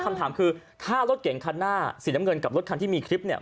คำถามคือถ้ารถเก่งคันหน้าสีน้ำเงินกับรถคันที่มีคลิปเนี่ย